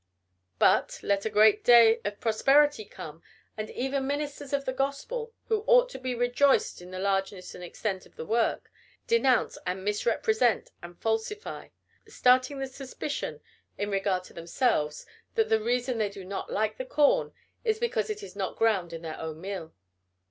But, let a great day of prosperity come, and even ministers of the gospel, who ought to be rejoiced at the largeness and extent of the work, denounce, and misrepresent, and falsify, starting the suspicion, in regard to themselves, that the reason they do not like the corn is because it is not ground in their own mill.